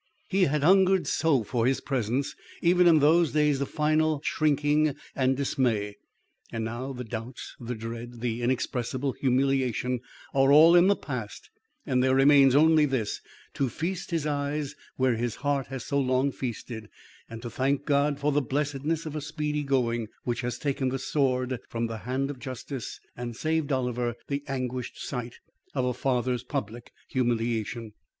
He had hungered so for his presence even in those days of final shrinking and dismay. And now, the doubts, the dread, the inexpressible humiliation are all in the past and there remains only this, to feast his eyes where his heart has so long feasted, and to thank God for the blessedness of a speedy going, which has taken the sword from the hand of Justice and saved Oliver the anguished sight of a father's public humiliation.